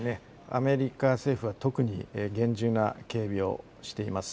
アメリカ政府は特に厳重な警備をしています。